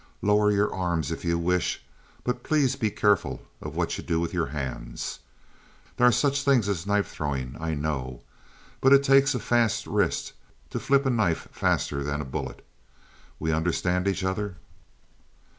Lower your arms if you wish, but please be careful of what you do with your hands. There are such things as knife throwing, I know, but it takes a fast wrist to flip a knife faster than a bullet. We understand each other?"